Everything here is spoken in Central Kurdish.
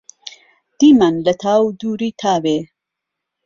دیمان لهتاو دووری، تاوێ